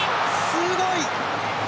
すごい！